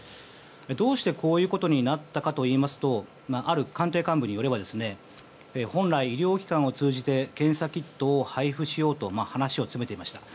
どうしてこういうことになったのかといいますとある官邸幹部によれば本来、医療機関を通じて検査キットを配布しようと話を詰めていました。